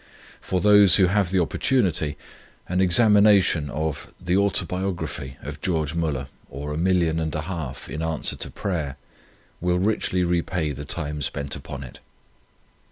For those who have the opportunity, an examination of the "Autobiography of George Müller, or, a Million and a Half in Answer to Prayer" will richly repay the time spent upon it.